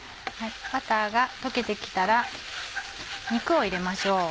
バターが溶けてきたら肉を入れましょう。